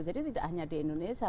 jadi tidak hanya di indonesia